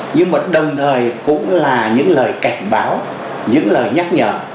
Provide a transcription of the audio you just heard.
nhưng mà đồng thời cũng là những lời cảnh báo những lời nhắc nhở